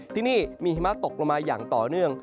ที่นี่มีหิมะตกลงมาอย่างต่อเนื่อง